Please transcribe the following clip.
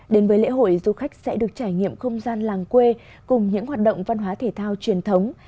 đến với lễ hội du khách sẽ được trải nghiệm không gian làng quê cùng những hoạt động văn hóa thể thao truyền thống